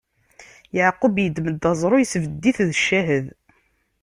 Yeɛqub iddem-d aẓru, isbedd-it d ccahed.